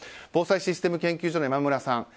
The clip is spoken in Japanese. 防災システム研究所の山村さん